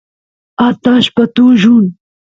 atashpa tullun